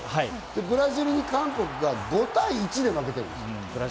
で、ブラジルに韓国が５対１で負けてる。